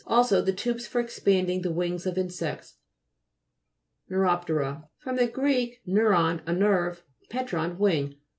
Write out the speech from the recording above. Also, the tubes for expanding the wings of insects. NEURO'PTERA fr.gr. neuron, a nerve pteron, wing.